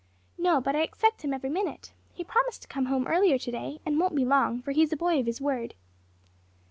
"No, but I expect him every minute. He promised to come home earlier to day, and won't be long, for he is a boy of his word."